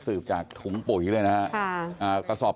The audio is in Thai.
สืบจากถุงปล่อยเลยนะครับ